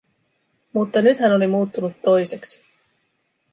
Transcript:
Mutta nyt hän oli muuttunut toiseksi.